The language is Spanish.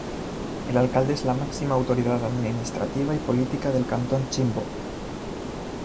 El Alcalde es la máxima autoridad administrativa y política del cantón Chimbo.